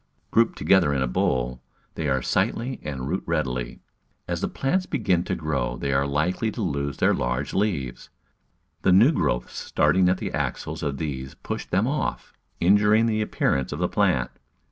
Grouped together in a bowl, they are sightly and root readily. As the plants begin to grow they are likely to lose their large leaves — the new growths starting at the axils of these push them off — injuring the appearance of the plant.